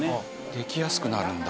できやすくなるんだ。